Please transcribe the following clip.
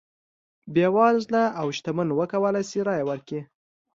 بېوزله او شتمن وکولای شي رایه ورکړي.